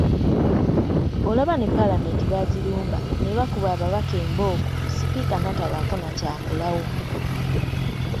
Olaba ne paalamenti baagirumba ne bakuba ababaka embooko sipiika natabaako na kyakolawo.